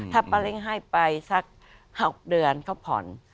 ถ้าประลิงให้ไปสัก๖เดือนเขาผ่อน